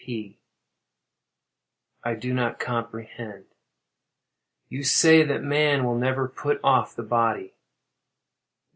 P. I do not comprehend. You say that man will never put off the body?